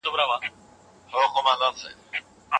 نوي ډيموکراسۍ تر پخواني سياست زياتي خپلواکۍ راوړې.